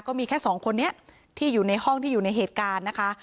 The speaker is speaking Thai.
ก็มีแค่สองคนนี้ที่อยู่ในห้องที่อยู่ในเหตุการณ์นะคะ